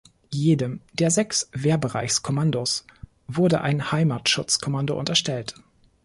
Jedem der sechs Wehrbereichskommandos wurde ein Heimatschutzkommando unterstellt.